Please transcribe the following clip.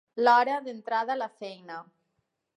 L'hora d'entrada a la feina.